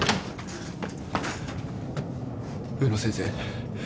植野先生。